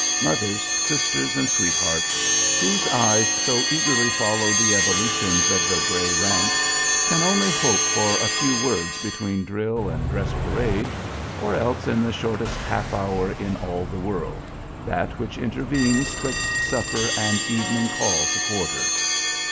Mothers, sisters, and sweethearts, whose eyes so eagerly follow the evolutions of the gray ranks, can only hope for a few words between drill and dress parade, or else in the shortest half hour in all the world, that which intervenes 'twixt supper and evening "call to quarters."